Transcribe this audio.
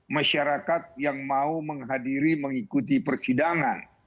masyarakat yang mau menghadiri mengikuti persidangan